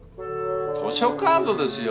図書カードですよ。